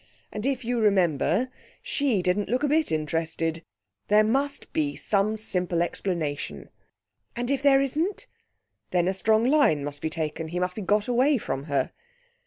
And if you remember, she didn't look a bit interested. There must be some simple explanation.' 'And if there isn't?' 'Then a strong line must be taken. He must be got away from her.'